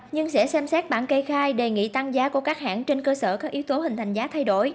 nhưng sẽ xem xét bản kê khai đề nghị tăng giá của các hãng trên cơ sở các yếu tố hình thành giá thay đổi